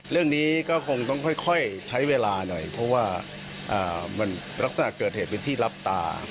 เรื่องนี้ก็คงต้องค่อยใช้เวลาหน่อยเพราะว่ามันลักษณะเกิดเหตุเป็นที่รับตา